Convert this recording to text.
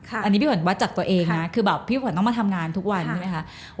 อันนี้พี่ขวัญวัดจากตัวเองนะคือแบบพี่ขวัญต้องมาทำงานทุกวันใช่ไหมคะ